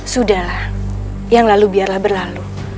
sudahlah yang lalu biarlah berlalu